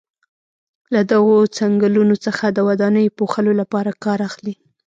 له دغو څنګلونو څخه د ودانیو پوښلو لپاره کار اخلي.